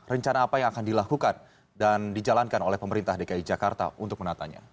rencana apa yang akan dilakukan dan dijalankan oleh pemerintah dki jakarta untuk menatanya